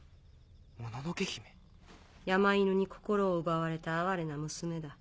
山犬に心を奪われた哀れな娘だ。